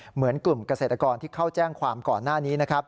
เหมือนกลุ่มเกษตรกรที่เข้าแจ้งความก่อนหน้านี้นะครับ